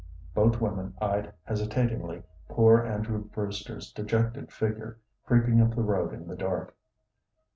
Both women eyed hesitatingly poor Andrew Brewster's dejected figure creeping up the road in the dark.